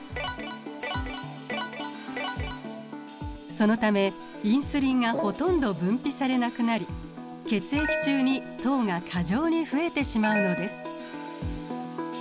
そのためインスリンがほとんど分泌されなくなり血液中に糖が過剰に増えてしまうのです。